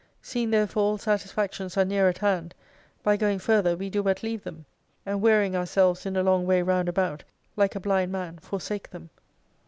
Seeing therefore all satisfactions are near at hand, by going further we do but leave them ; and wearying ourselves in a long way round about, Hke a blind man, forsake them.